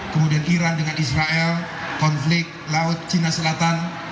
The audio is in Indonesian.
kemudian iran dengan israel konflik laut cina selatan